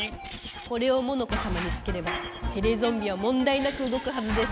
これをモノコさまにつければテレゾンビはもんだいなくうごくはずです。